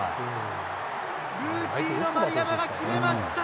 ルーキーの丸山が決めました。